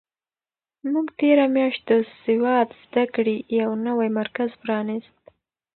موږ تېره میاشت د سواد زده کړې یو نوی مرکز پرانیست.